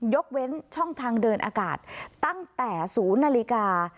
ยกเว้นช่องทางเดินอากาศตั้งแต่ศูนย์นาฬิกา